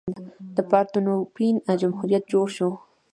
د پارتنوپین جمهوریت جوړ شو.